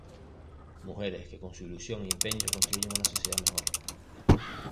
Mujeres que con su ilusión y empeño construyen una sociedad mejor.